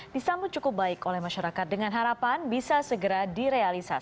disambut cukup baik oleh masyarakat dengan harapan bisa segera direalisasi